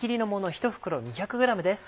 １袋２００ｇです。